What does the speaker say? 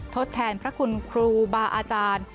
ทดแทนพระคุณครูบาอาจารย์